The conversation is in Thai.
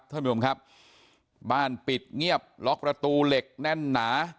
ท่านผู้ชมครับบ้านปิดเงียบล็อกประตูเหล็กแน่นหนา